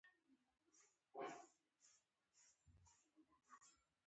باد د زمانو شاهد دی